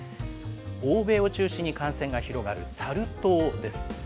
欧米を中心に感染が広がるサル痘です。